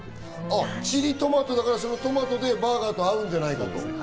チリトマトだからバーガーと合うんじゃないかと。